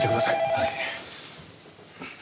はい。